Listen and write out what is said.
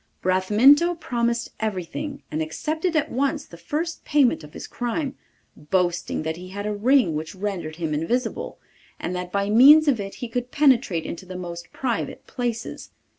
Bramintho promised everything, and accepted at once the first payment of his crime, boasting that he had a ring which rendered him invisible, and that by means of it he could penetrate into the most private places.